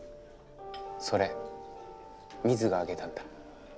それミズがあげたんだ。